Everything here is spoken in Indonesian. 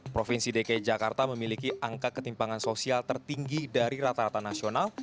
provinsi dki jakarta memiliki angka ketimpangan sosial tertinggi dari rata rata nasional